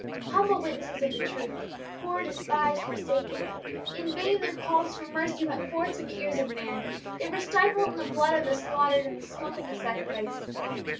Humble witnesses of the truth; poor, dispised, forsaken; in vain their calls for mercy went forth to the ears of man; they were stifled in the blood of the slaughtered and the smoke of the sacrifice!